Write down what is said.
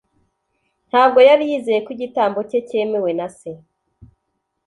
ntabwo yari yizeye ko igitambo cye cyemewe na Se.